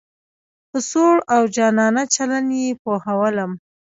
په سوړ او جانانه چلن یې پوهولم.